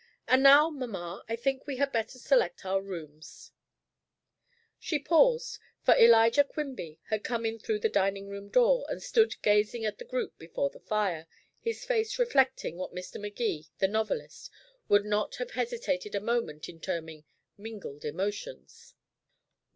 "And now, mamma, I think we had better select our rooms " She paused. For Elijah Quimby had come in through the dining room door, and stood gazing at the group before the fire, his face reflecting what Mr. Magee, the novelist, would not have hesitated a moment in terming "mingled emotions".